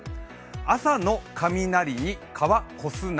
朝の雷に川越すな。